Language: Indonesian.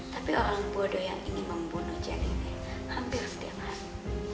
tapi orang bodoh yang ingin membunuh jan ini hampir setiap hari